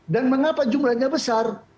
dan mengapa jumlahnya besar